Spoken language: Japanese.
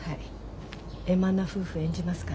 円満な夫婦を演じますから。